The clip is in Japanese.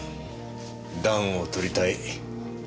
暖をとりたい。